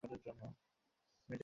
কী করেছেন আপনি?